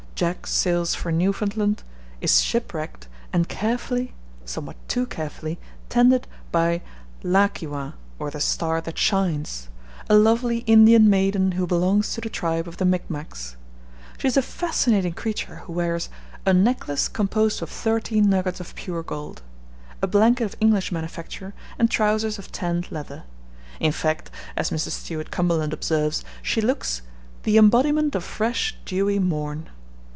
Jack sails for Newfoundland, is shipwrecked and carefully, somewhat too carefully, tended by 'La ki wa, or the Star that shines,' a lovely Indian maiden who belongs to the tribe of the Micmacs. She is a fascinating creature who wears 'a necklace composed of thirteen nuggets of pure gold,' a blanket of English manufacture and trousers of tanned leather. In fact, as Mr. Stuart Cumberland observes, she looks 'the embodiment of fresh dewy morn.'